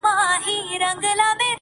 o د هندو او کلیمې یې سره څه,